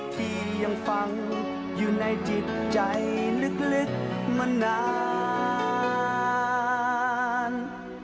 ที่ยังฟังอยู่ในจิตใจลึกมานาน